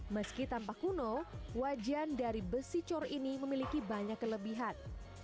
meski tanpa kuno wajan dari besi cor ini memiliki banyak kelebihan